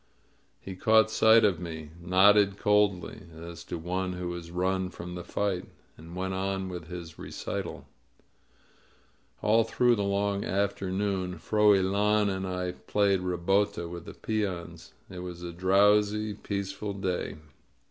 He caught sight of me, nodded coldly, as to one who has run from the fight, and went on with his recitaL All through the long afternoon Froilan and I played ribota with the peons. It was a drowsy, peaceful day.